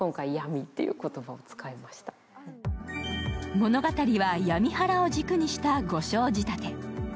物語は闇ハラを軸にした５章仕立て。